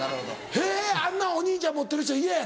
えっ⁉「あんなお兄ちゃん持ってる人嫌や」